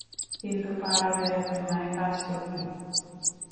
কিন্তু পাড়া-বেড়াতে নয়, কাজ করতে।